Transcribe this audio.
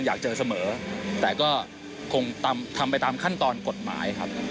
อยากเจอเสมอแต่ก็คงทำไปตามขั้นตอนกฎหมายครับ